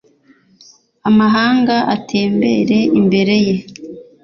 amahanga atembere imbere ye